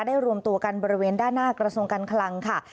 รวมตัวกันบริเวณด้านหน้ากระทรวงการคลังค่ะ